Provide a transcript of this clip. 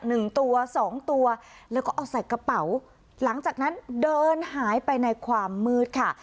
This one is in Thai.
หนึ่งตัวสองตัวแล้วก็เอาใส่กระเป๋าหลังจากนั้นเดินหายไปในความมืดค่ะ